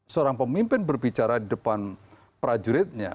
seorang pemimpin berbicara di depan prajuritnya